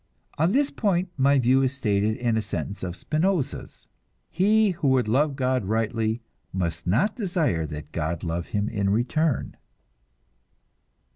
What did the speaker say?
On this point my view is stated in a sentence of Spinoza's: "He who would love God rightly must not desire that God love him in return."